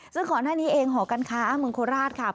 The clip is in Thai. ซึ่งก่อนหน้านี้เองหอการค้าเมืองโคราชค่ะ